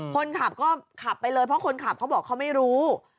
คนขับก็ขับไปเลยเพราะคนขับเขาบอกเขาไม่รู้